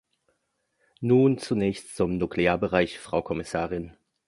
Nun zunächst zum Nuklearbereich, Frau Kommissarin.